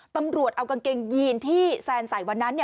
ตำรวจเอากางเกงยีนที่แซนใส่วันนั้น